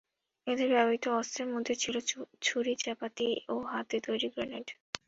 এদের ব্যবহৃত অস্ত্রের মধ্যে ছিল ছুরি, চাপাতি এবং হাতে তৈরি গ্রেনেড।